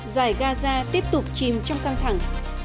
giải gaza tiếp tục chìm trong căng thẳng